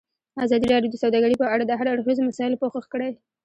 ازادي راډیو د سوداګري په اړه د هر اړخیزو مسایلو پوښښ کړی.